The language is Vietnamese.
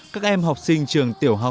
các em học sinh trường tiểu học